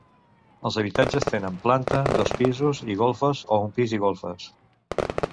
Els habitatges tenen planta, dos pisos i golfes o un pis i golfes.